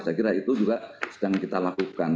saya kira itu juga sedang kita lakukan